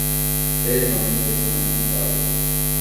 Três homens pescando com corda.